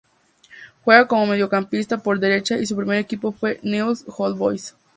Juega como mediocampista por derecha y su primer equipo fue Newell's Old Boys.